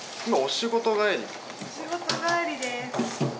仕事帰りです。